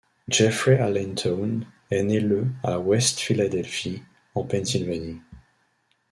Jeffrey Allen Townes est né le à West Philadelphie, en Pennsylvanie.